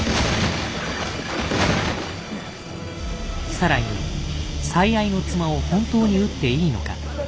更に「最愛の妻を本当に撃っていいのか」。